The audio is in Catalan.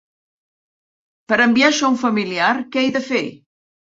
Per enviar això a un familiar, què he de fer?